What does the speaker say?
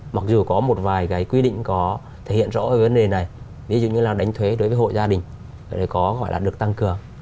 mặc dù có một vài cái quy định có thể hiện rõ về vấn đề này ví dụ như là đánh thuế đối với hội gia đình có gọi là được tăng cường